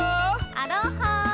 アロハー！